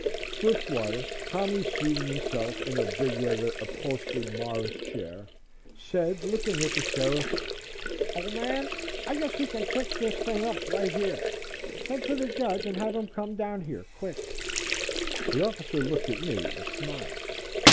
Swiftwater, calmly seating himself, in a big leather upholstered Morris chair, said, looking at the Sheriff; "Old man, I guess we can fix this thing up right here. Send for the judge and have him come down here quick." The officer looked at me and smiled.